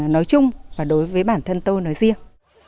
nói chung và đối với bản thân tôi nói riêng